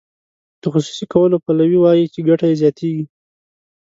د خصوصي کولو پلوي وایي چې ګټه یې زیاتیږي.